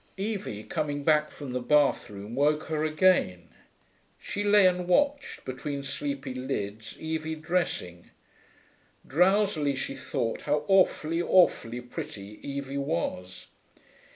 Evie, coming back from the bathroom, woke her again. She lay and watched, between sleepy lids, Evie dressing. Drowsily she thought how awfully, awfully pretty Evie was.